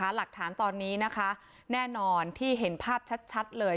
หลักฐานตอนนี้นะคะแน่นอนที่เห็นภาพชัดเลย